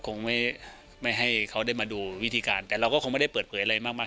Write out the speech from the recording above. คงไม่ให้เขาได้มาดูวิธีการแต่เราก็คงไม่ได้เปิดเผยอะไรมาก